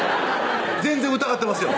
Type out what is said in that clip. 全然疑ってますよ